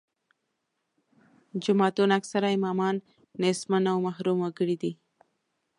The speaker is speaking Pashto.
جوماتونو اکثره امامان نیستمن او محروم وګړي دي.